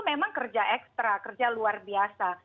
memang kerja ekstra kerja luar biasa